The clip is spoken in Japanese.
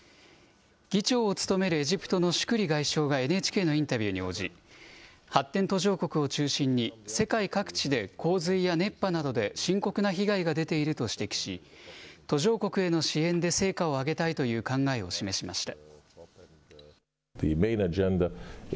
議長を務めるエジプトのシュクリ外相がＮＨＫのインタビューに応じ、発展途上国を中心に世界各地で洪水や熱波などで深刻な被害が出ていると指摘し、途上国への支援で成果を上げたいという考えを示しました。